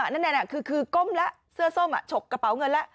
นั่นแหละคือก้มเสื้อส้มอะฉกกระเป๋าเงินละ